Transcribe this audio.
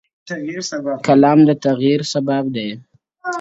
هر يو سر يې هره خوا وهل زورونه٫